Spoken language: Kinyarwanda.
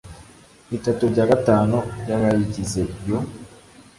bitatu bya gatanu by abayigize Iyo